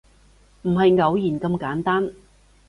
唔係偶然咁簡單